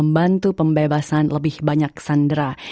membantu pembebasan lebih banyak sandera